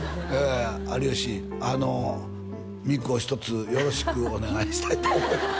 有吉あの三久をひとつよろしくお願いしたいと思います